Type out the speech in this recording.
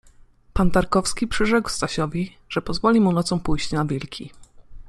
Pan Tarkowski przyrzekł Stasiowi, że pozwoli mu nocą pójść na wilki.